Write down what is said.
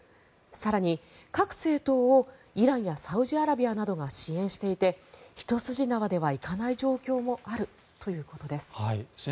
更に、各政党をイランやサウジアラビアなどが支援していてひと筋縄では行かない状況もあるということです。